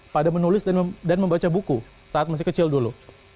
pada menulis dan membaca buku saat masih kecil dulu